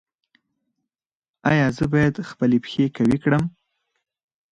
ایا زه باید خپل پښې قوي کړم؟